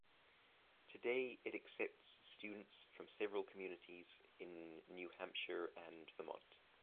Today it accepts students from several communities in New Hampshire and Vermont.